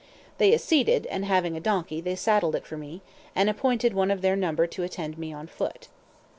They acceded, and having a donkey, they saddled it for me, and appointed one of their number to attend me on foot.